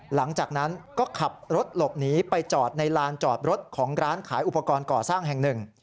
หลังจากนั้นก็ขับรถหลบหนีไปจอดในลานจอดรถของร้านขายอุปกรณ์ก่อสร้างแห่งหนึ่ง